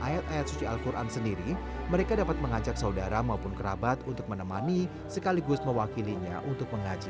dan mengajikan ayat suci al quran sendiri mereka dapat mengajak saudara maupun kerabat untuk menemani sekaligus mewakilinya untuk mengaji